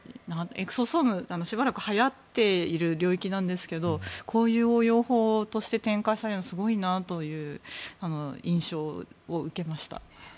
エクソソームしばらくはやっている領域なんですがこういう応用法として転換されるのすごいなという印象を受けました。